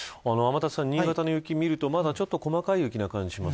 新潟の雪を見るとまだ細かい雪な感じがします。